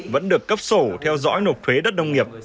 vẫn được cấp sổ theo dõi nộp thuế đất nông nghiệp